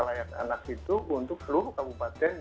layak anak itu untuk seluruh kabupaten